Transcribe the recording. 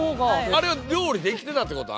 あれは料理できてたってこと？